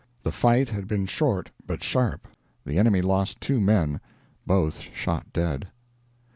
The fight had been short but sharp. The enemy lost two men, both shot dead."